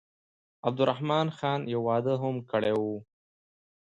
عبدالرحمن خان یو واده هم کړی وو.